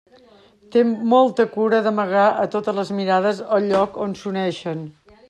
Té molta cura d'amagar a totes les mirades el lloc on s'uneixen.